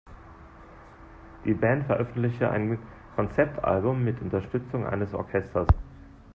Die Band veröffentlichte ein Konzeptalbum mit Unterstützung eines Orchesters.